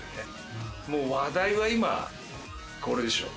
話題は今これでしょう？